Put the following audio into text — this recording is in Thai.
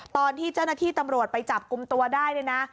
ตอนที่เจ้าหน้าที่ตำรวจไปจับกลุ่มตัวได้เนี่ยนะ